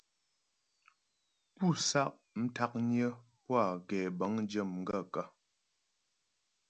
Pú sá'ntǎknyə́ pú a gɛbə̌ŋdyə́ m gaə̂kə́ ?